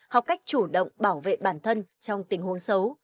học cách chủ động bảo vệ bản thân trong tình huống xấu